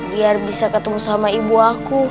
biar bisa ketemu sama ibu aku